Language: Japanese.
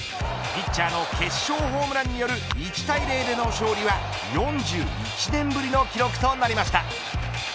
ピッチャーの決勝ホームランによる１対０での勝利は４１年ぶりの記録となりました。